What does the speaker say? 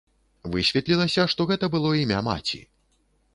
Высветлілася, што гэта было імя маці.